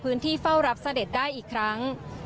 พื้นที่เฝ้ารับเสด็จได้อีกครั้ง